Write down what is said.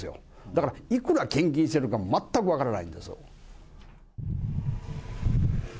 だから、いくら献金してるかも全く分からないんです。